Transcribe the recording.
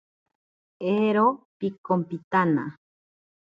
Eero pikompitana.